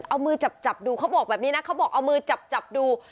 เอามือจับดูเขาบอกแบบนี้นะเขาบอกเอามือจับจับดู